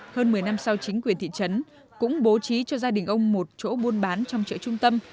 hơn một mươi năm sau chính quyền thị trấn cũng bố trí cho gia đình ông một chỗ buôn bán trong chợ trung tâm